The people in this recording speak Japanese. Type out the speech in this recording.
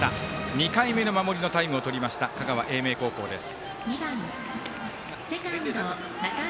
２回目のタイムをとりました香川・英明高校です。